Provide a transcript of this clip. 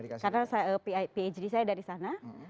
karena phd saya dari sana